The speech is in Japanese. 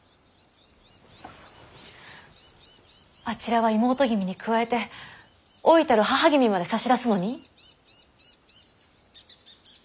あちらは妹君に加えて老いたる母君まで差し出すのに？